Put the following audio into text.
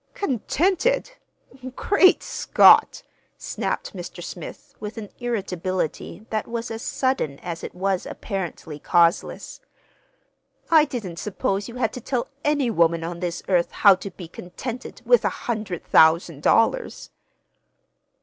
"Contented! Great Scott!" snapped Mr. Smith, with an irritability that was as sudden as it was apparently causeless. "I didn't suppose you had to tell any woman on this earth how to be contented—with a hundred thousand dollars!"